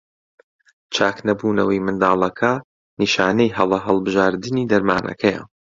چاکنەبوونەوەی منداڵەکە نیشانەی هەڵە هەڵبژاردنی دەرمانەکەیە.